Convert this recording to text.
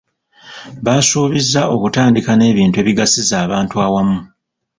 Baasuubizza okutandika n'ebintu ebigasiza abantu awamu.